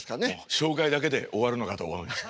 紹介だけで終わるのかと思いました。